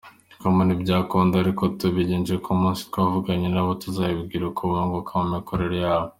com ntibyakunda ariko tubijeje ko umunsi twavuganye nabo tuzababwira uko bunguka mu mikorere yabo.